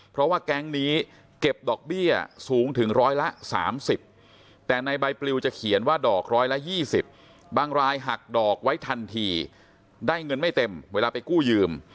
เพราะว่าแก๊งนี้เก็บดอกเบี้ยสูงถึงร้อยละ๓๐แต่ในใบปลิวจะเขียนว่าดอกร้อยละ๒๐บางรายหักดอกไว้ทันทีได้เงินไม่เต็มเวลาไปกู้ยืม